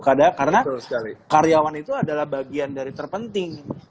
karena karyawan itu adalah bagian dari terpenting